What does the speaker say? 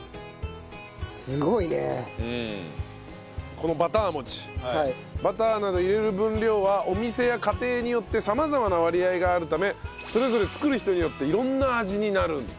このバター餅バターなど入れる分量はお店や家庭によって様々な割合があるためそれぞれ作る人によって色んな味になるんだそうです。